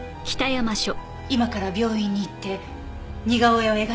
今から病院に行って似顔絵を描いてくれませんか？